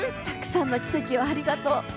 たくさんの奇跡をありがとう。